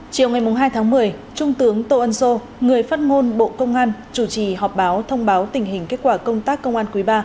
chiều ngày hai tháng một mươi trung tướng tô ân sô người phát ngôn bộ công an chủ trì họp báo thông báo tình hình kết quả công tác công an quý ba